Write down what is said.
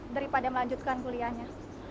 daripada melanjutkan kuliahnya